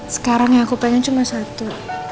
sekarang yang aku pengen cuma satu